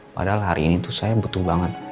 padahal hari ini tuh saya butuh banget